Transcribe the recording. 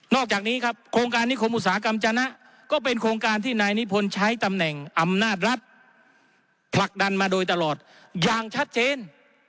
อกจากนี้ครับโครงการนิคมอุตสาหกรรมจนะก็เป็นโครงการที่นายนิพนธ์ใช้ตำแหน่งอำนาจรัฐผลักดันมาโดยตลอดอย่างชัดเจน